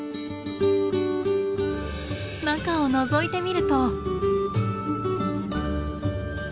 中をのぞいてみると。